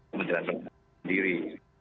kementerian kepala pendiri